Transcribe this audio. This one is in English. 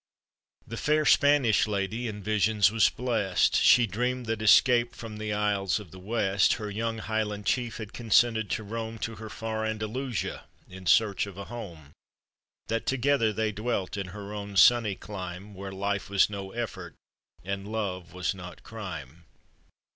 The fair .Spnnish Indy in vision* was blest She dream'd that, escaped from the i«l. « of the Weit, Her young Highland chief had cons. nted «> n>«m To her far Andalusia In search of a home; That together they dwelt In her own sunny clime. Where life was no effort, and lore was not crime.